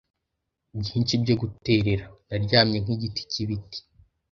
byinshi byo guterera, naryamye nkigiti cyibiti.